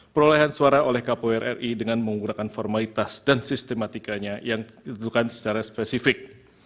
perolehan suara oleh kpu ri dengan menggunakan formalitas dan sistematikanya yang ditentukan secara spesifik